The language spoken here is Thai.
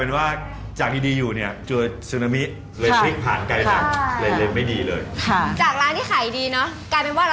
แม่ฟังว่าคนกลัวกินซิฟูล่์เพราะมีคนตายในทะเล